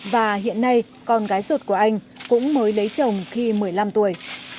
và hiện nay con gái ruột của anh cũng mới lấy chồng khi một mươi năm tuổi